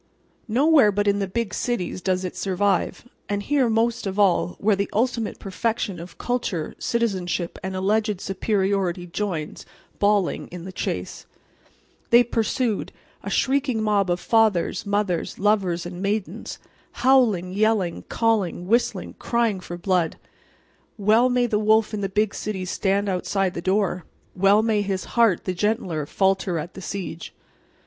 Nowhere but in the big cities does it survive, and here most of all, where the ultimate perfection of culture, citizenship and alleged superiority joins, bawling, in the chase. They pursued—a shrieking mob of fathers, mothers, lovers and maidens—howling, yelling, calling, whistling, crying for blood. Well may the wolf in the big city stand outside the door. Well may his heart, the gentler, falter at the siege.